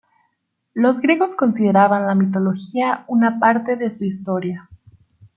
Los griegos consideraban la mitología una parte de su historia.